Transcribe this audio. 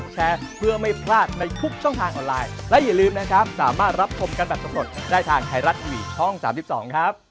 ใช้ชื่อว่าเศกวิอ่าเศกพิวัดนะครับ